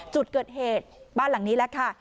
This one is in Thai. จุดเกิดเหตุบ้านหลังนี้แหละค่ะ